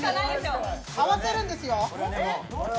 合わせるんですよ。